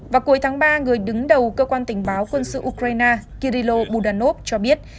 và cuối tháng ba người đứng đầu cơ quan tình báo quân sự ukraine kirill budanov cho biết